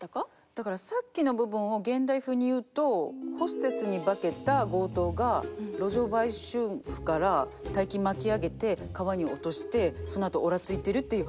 だからさっきの部分を現代風に言うとホステスに化けた強盗が路上売春婦から大金巻き上げて川に落としてそのあと「俺はついている」っていう